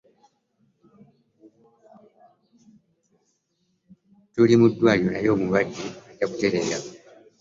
Tuli mu ddwaliro naye omulwadde ajja kutereera.